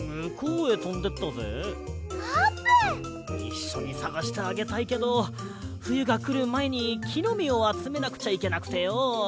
いっしょにさがしてあげたいけどふゆがくるまえにきのみをあつめなくちゃいけなくてよ。